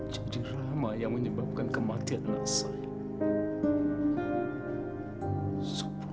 jadi rama yang menyebabkan kematian anak saya